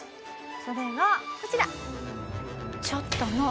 それがこちら。